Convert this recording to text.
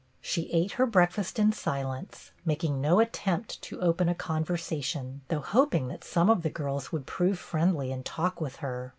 She ate her breakfast in silence, making no attempt to open a conversation, though hoping that some of the girls would prove friendly and talk with her.